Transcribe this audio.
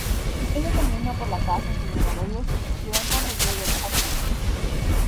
Ella camina por la casa encendiendo las luces, y van cuando llega el ático.